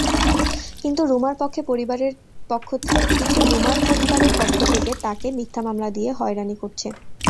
কিন্তু রুমার পরিবারের পক্ষ থেকে তাঁকে মিথ্যা মামলা দিয়ে হয়রানি করছে।